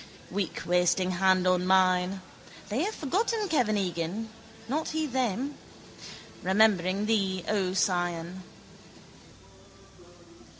Weak wasting hand on mine. They have forgotten Kevin Egan, not he them. Remembering thee, O Sion.